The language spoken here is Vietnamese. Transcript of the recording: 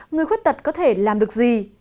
người khuất tật có thể làm được gì